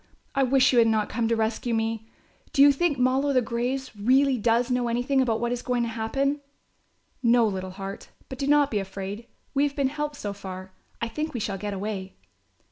I wish you had not come to rescue me. Do you think 'Moll o' the graves' really does know anything about what is going to happen?" "No, little heart, but do not be afraid, we have been helped so far. I think we shall get away."